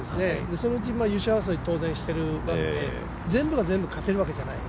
そのうち優勝争いは当然しているわけで全部が全部勝てるわけじゃない。